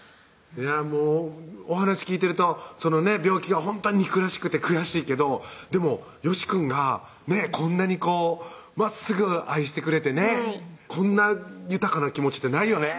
いやもうお話聞いてると病気がほんとに憎らしくて悔しいけどでもよしくんがこんなにまっすぐ愛してくれてねこんな豊かな気持ちってないよね